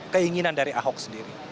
keinginan dari ahok sendiri